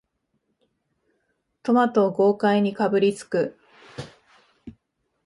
トマトを豪快にかぶりつく